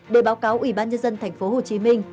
để báo cáo ủy ban nhân dân tp hcm